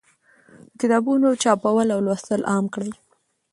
د کتابونو چاپول او لوستل عام کړئ.